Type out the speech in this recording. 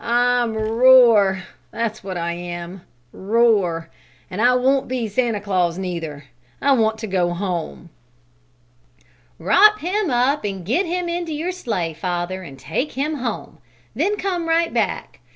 "I'm rore, that's what I am, rore! An' I won't be Santa Claus neither. I want to go home." "Wrop him up and get him into your sleigh, father, and take him home; then come right back.